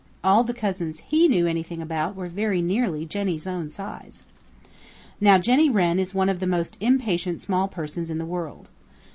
All the cousins he knew anything about were very nearly Jenny's own size. Now Jenny Wren is one of the most impatient small persons in the world.